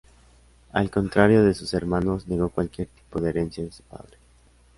Al contrario de sus hermanos, negó cualquier tipo de herencia de su padre.